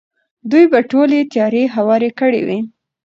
دوی به ټولې تیارې هوارې کړې وي.